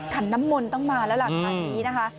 ขันน้ำมนต้องมาแล้วล่ะครับ